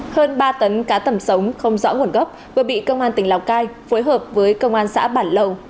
hơn ba tấn cá tẩm sống không rõ nguồn gốc vừa bị công an tỉnh lào cai phối hợp với công an xã bản lầu